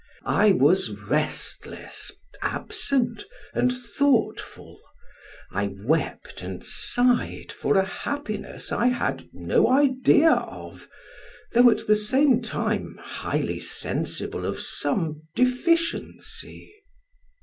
I was restless, absent, and thoughtful: I wept and sighed for a happiness I had no idea of, though at the same time highly sensible of some deficiency.